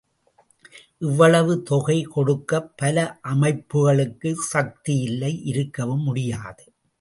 இவ்வளவு தொகை கொடுக்கப் பல அமைப்புகளுக்கு சக்தியில்லை இருக்கவும் முடியாது.